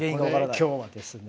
今日はですね